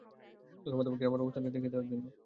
ধন্যবাদ আমাকে আমার অবস্থানটা দেখিয়ে দেয়ার জন্য!